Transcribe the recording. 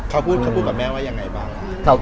เขาพูดกับแม่ว่ายังไงบ้าง